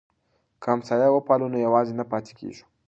که همسایه وپالو نو یوازې نه پاتې کیږو.